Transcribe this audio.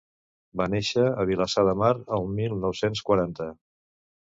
Va néixer a Vilassar de Mar el mil nou-cents quaranta.